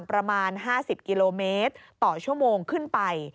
ประมาณ๕๐กิโลเมตรต่อชั่วโมงขึ้นไป